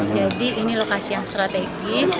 jadi ini lokasi yang strategis